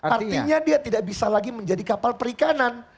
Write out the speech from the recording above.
artinya dia tidak bisa lagi menjadi kapal perikanan